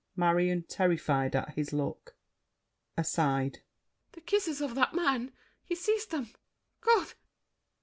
MARION (terrified at his look). [Aside.] The kisses of that man, he sees them! God!